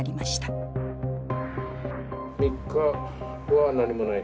３日は何もない。